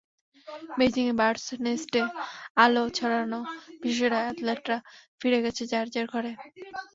বেইজিংয়ে birds নেস্টে আলো ছড়ানো বিশ্বসেরা অ্যাথলেটরা ফিরে গেছেন যাঁর যাঁর ঘরে।